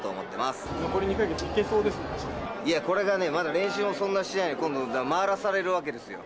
これがまだ練習もそんなしてないのに回らされるわけですよ。